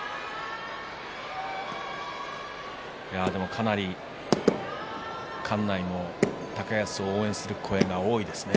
かなり館内も高安を応援する声が多いですね。